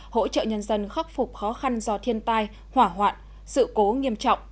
hỗ trợ nhân dân khắc phục khó khăn do thiên tai hỏa hoạn sự cố nghiêm trọng